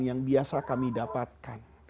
yang biasa kami dapatkan